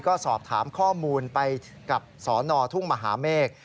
ก็สอบถามข้อมูลไปกับสนทุ่งมหาเมฆ